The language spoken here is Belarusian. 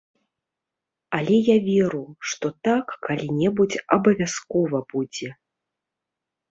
Але я веру, што так калі-небудзь абавязкова будзе.